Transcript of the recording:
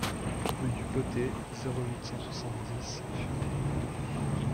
Rue du Potay, zéro huit, cent soixante-dix Fumay